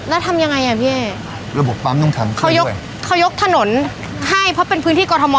แล้วทำยังไงอ่ะพี่ระบบปั๊มต้องทำเขายกเขายกถนนให้เพราะเป็นพื้นที่กรทม